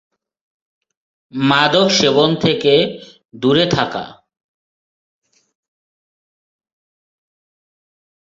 মাদক সেবন থেকে দুরে থাকা।